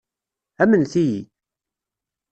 Amnet-iyi!